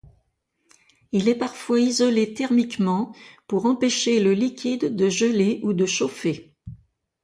Il est parfois isolé thermiquement pour empêcher le liquide de geler ou de chauffer.